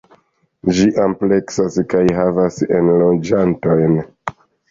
Ĝi ampleksas kaj havas enloĝantojn.